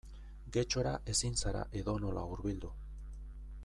Getxora ezin zara edonola hurbildu.